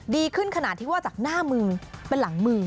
ดีขึ้นขนาดที่ว่าจากหน้ามือเป็นหลังมือ